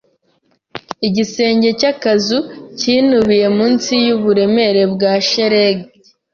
Igisenge cy'akazu cyinubiye munsi yuburemere bwa shelegi.